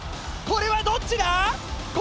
これはどっちだ